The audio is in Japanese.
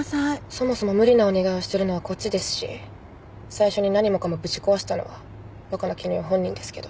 そもそも無理なお願いをしてるのはこっちですし最初に何もかもぶち壊したのは若菜絹代本人ですけど。